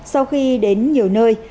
sau khi đến nhiều nơi